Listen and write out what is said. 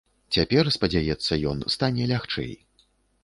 Цяпер, спадзяецца ён, стане лягчэй.